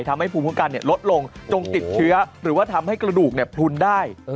ทำให้ภูมิคุ้มกันเนี่ยลดลงโอ้โหจงติดเชื้อหรือว่าทำให้กระดูกเนี่ยพูดได้เออ